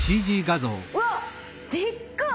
うわっでっか！